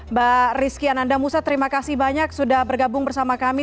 mbak rizky ananda musa terima kasih banyak sudah bergabung bersama kami